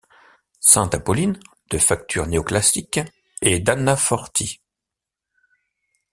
Sainte Apolline, de facture néoclassique, est d'Anna Forti.